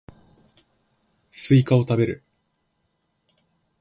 スイカを食べる